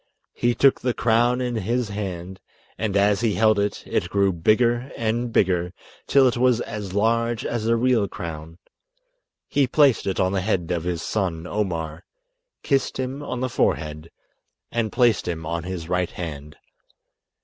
He took the crown in his hand, and as he held it, it grew bigger and bigger, till it was as large as a real crown. He placed it on the head of his son Omar, kissed him on the forehead, and placed him on his right hand.